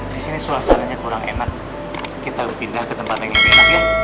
di sini suasananya kurang enak kita pindah ke tempat yang lebih enak ya